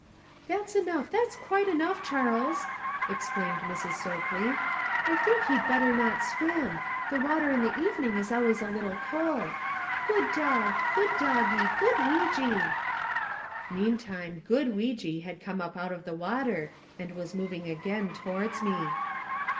"That's enough; that's quite enough, Charles," exclaimed Mrs. Sopley. "I think he'd better not swim. The water in the evening is always a little cold. Good dog, good doggie, good Weejee!" Meantime "good Weejee" had come out of the water and was moving again towards me.